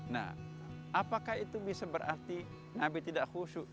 nah apakah itu bisa berarti nabi tidak khusyuk